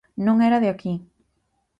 Non era de aquí.